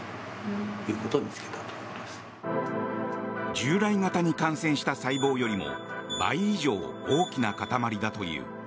従来型に感染した細胞よりも倍以上大きな塊だという。